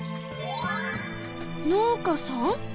農家さん？